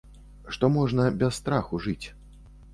Што можна без страху жыць.